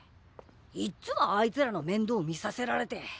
いっつもあいつらのめんどう見させられて！